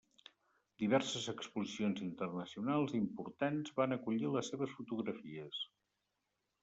Diverses exposicions internacionals importants van acollir les seves fotografies.